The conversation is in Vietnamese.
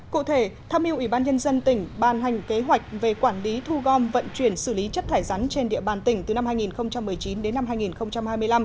cụ thể tham mưu ủy ban nhân dân tỉnh ban hành kế hoạch về quản lý thu gom vận chuyển xử lý chất thải rắn trên địa bàn tỉnh từ năm hai nghìn một mươi chín đến năm hai nghìn hai mươi năm